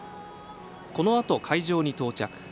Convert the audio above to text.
このあと、会場に到着。